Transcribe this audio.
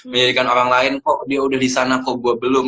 menjadikan orang lain kok dia udah disana kok gua belum